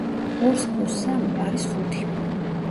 ორს პლუს სამი არის ხუთი.